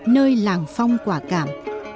nơi làng phong quả cảm